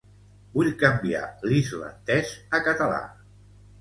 Vull canviar l'islandès a català.